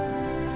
một lần nữa